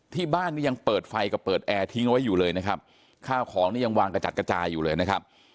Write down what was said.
ที่บ้านนี้ยังเปิดไฟกับเปิดแอร์ทิ้งไว้อยู่เลยนะครับข้าวของนี่ยังวางกระจัดกระจายอยู่เลยนะครับ